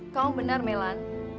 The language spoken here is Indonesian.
kamu benar mellan